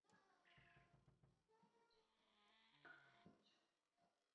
他们为什么去你国家？